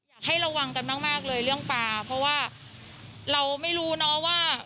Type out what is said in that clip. อยากให้ระวังกันมากเลยเรื่องปลาเพราะว่าเราไม่รู้เนอะว่า